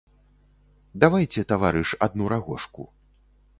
Давайце, таварыш, адну рагожку.